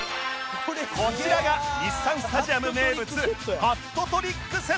こちらが日産スタジアム名物